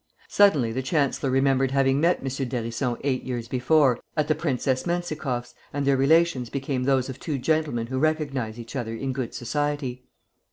Suddenly the chancellor remembered having met M. d'Hérisson eight years before at the Princess Mentzichoff's, and their relations became those of two gentlemen who recognize each other in good society.